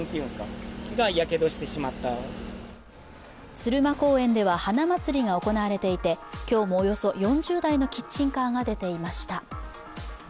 鶴舞公園では花まつりが行われていて、今日もおよそ４０台のキッチンカーが出ていました。